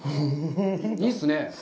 いいっすね。